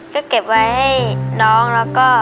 ก็เก็บไว้ให้น้องแล้วก็